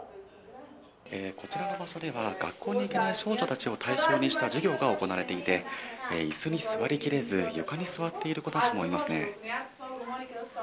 こちらの場所では、学校に行けない少女たちを対象にした授業が行われていて、いすに座りきれず、床に座っている子たちもいますね。